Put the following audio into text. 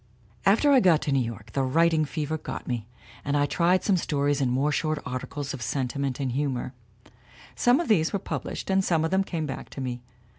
"After I got to New York the writing fever got me, and I tried some stories and more short articles of sentiment and humor. Some of these were pub lished and some of them came back to me.